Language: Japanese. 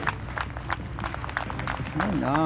すごいな。